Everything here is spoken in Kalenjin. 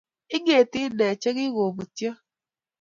Ingeeti inne chegikobutyo